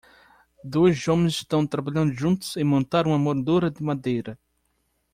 Dois homens estão trabalhando juntos em montar uma moldura de madeira.